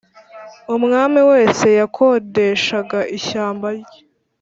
umwami wese yakondeshaga ishyamba rye,